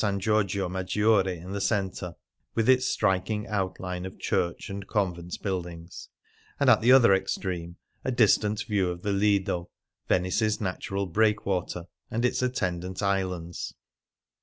Giorgio Maggiore in the centre, with its striking outline of church and convent buildings ; and, at the other extreme, a distant view of the Lido — Venice's natural breakwater — and its attendant islands.